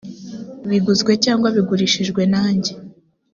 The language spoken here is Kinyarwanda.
biguzwe cyangwa bigurishijwe nanjye